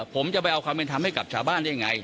ผมจะไปเอาความเป็นธรรมให้กับชาวบ้านได้ยังไง